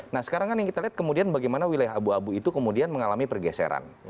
nah sekarang kan yang kita lihat kemudian bagaimana wilayah abu abu itu kemudian mengalami pergeseran